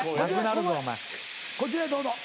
こちらへどうぞ。